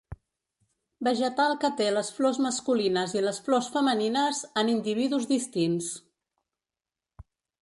Vegetal que té les flors masculines i les flors femenines en individus distints.